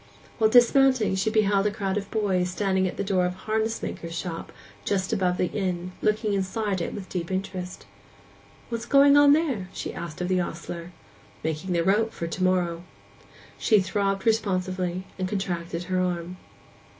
While dismounting she beheld a crowd of boys standing at the door of a harness maker's shop just above the inn, looking inside it with deep interest. 'What is going on there?' she asked of the ostler. 'Making the rope for to morrow.' She throbbed responsively, and contracted her arm.